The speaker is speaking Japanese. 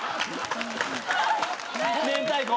明太子。